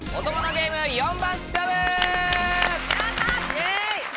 イエイ！